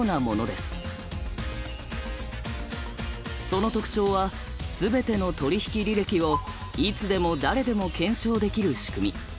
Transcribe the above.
その特徴は全ての取引履歴をいつでも誰でも検証できる仕組み。